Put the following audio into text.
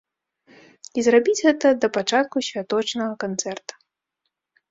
І зрабіць гэта да пачатку святочнага канцэрта.